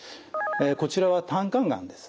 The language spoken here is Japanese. こちらは胆管がんです。